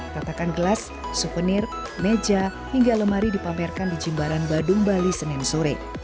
katakan gelas souvenir meja hingga lemari dipamerkan di jimbaran badung bali senin sore